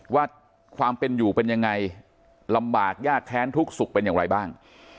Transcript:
ว่าความเป็นอยู่เป็นยังไงลำบากยากแค้นทุกสุขเป็นอย่างไรบ้าง